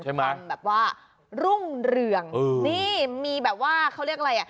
ทำแบบว่ารุ่งเรืองนี่มีแบบว่าเขาเรียกอะไรอ่ะ